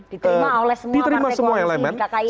diterima oleh semua partai koalisi kkir